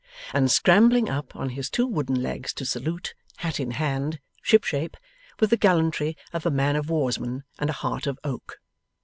and scrambling up on his two wooden legs to salute, hat in hand, ship shape, with the gallantry of a man of warsman and a heart of oak.